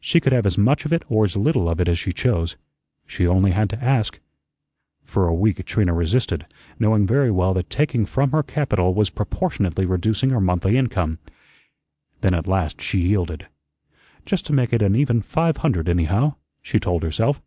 She could have as much of it or as little of it as she chose. She only had to ask. For a week Trina resisted, knowing very well that taking from her capital was proportionately reducing her monthly income. Then at last she yielded. "Just to make it an even five hundred, anyhow," she told herself.